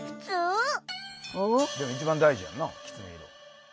でも一番大事やんなきつね色。